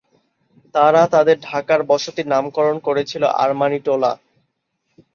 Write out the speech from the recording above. তারা তাদের ঢাকার বসতির নামকরণ করেছিল আর্মানিটোলা।